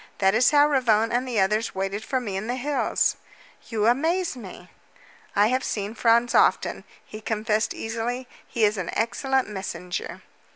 That is why Ravone and the others waited for me in the hills." "You amaze me!" "I have seen Franz often," he confessed easily. "He is an excellent messenger."